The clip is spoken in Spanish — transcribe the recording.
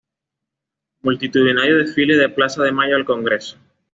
Multitudinario desfile de Plaza de Mayo al Congreso.